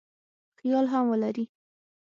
خیال هم ولري.